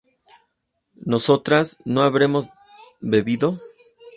¿nosotras no habremos bebido?